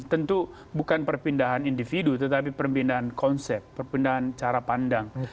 tentu bukan perpindahan individu tetapi perpindahan konsep perpindahan cara pandang